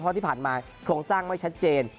เพราะที่ผ่านมาโครงสร้างไม่ชัดเจน